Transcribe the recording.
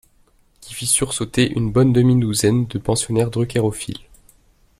qui fit sursauter une bonne demi-douzaine de pensionnaires druckerophiles.